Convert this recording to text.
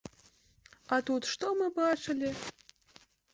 А тут што мы бачылі?